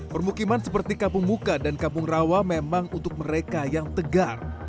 permukiman seperti kampung muka dan kampung rawa memang untuk mereka yang tegar